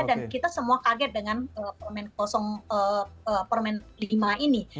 dan kita semua kaget dengan permen permen lima ini